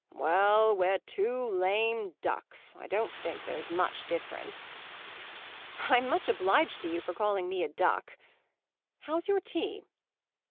"Well, we're two lame ducks; I don't think there's much difference." "I'm much obliged to you for calling me a duck. How's your tea?"